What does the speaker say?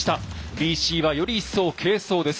ＢＣはより一層軽装です。